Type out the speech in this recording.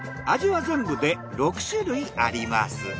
味は全部で６種類あります。